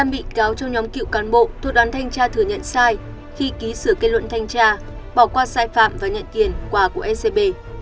một mươi năm bị cáo trong nhóm cựu cán bộ thuộc đoán thanh tra thừa nhận sai khi ký sửa kết luận thanh tra bỏ qua sai phạm và nhận kiền quà của scb